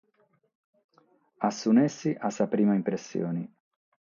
A su nessi a sa prima impressione.